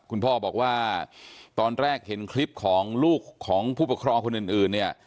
คุณพ่อบอกว่าตอนแรกเห็นคลิปของลูกของผู้ปกครองคนอื่นเนี่ย